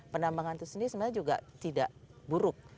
penambangan itu sendiri sebenarnya juga tidak buruk